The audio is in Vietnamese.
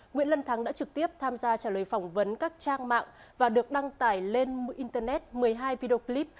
nguyễn lân thắng đã trực tiếp tham gia trả lời phỏng vấn các trang mạng và được đăng tải lên internet một mươi hai video clip